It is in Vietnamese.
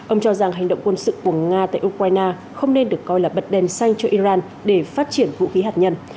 ông cho rằng hành động quân sự của nga tại ukraine không nên được coi là bật đèn xanh cho iran để phát triển vũ khí hạt nhân